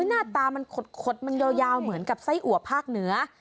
หน้าตามันขดมันยาวเหมือนกับไส้อัวภาคเหนือ